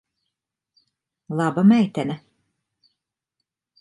Laba meitene.